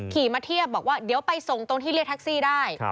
ขี่มาเทียบดีลวะไปส่งตรงที่เรียกแคสซี่ได้